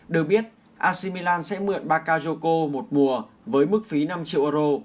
được biết ac milan sẽ mượn bakayoko một mùa với mức phí năm triệu euro